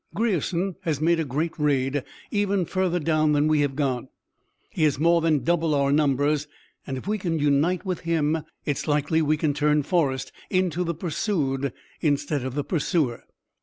Grierson has made a great raid, even further down than we have gone. He has more than double our numbers, and if we can unite with him it's likely that we can turn Forrest into the pursued instead of the pursuer.